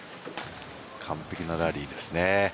完璧なラリーですね。